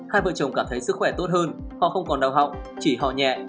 hai vợ chồng cảm thấy sức khỏe tốt hơn họ không còn đau họng chỉ hò nhẹ